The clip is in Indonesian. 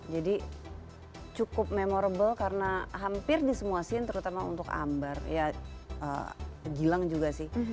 jadi cukup memorable karena hampir di semua scene terutama untuk ambar ya gilang juga sih